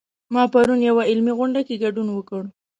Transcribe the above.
ما پرون یوه علمي غونډه کې ګډون وکړ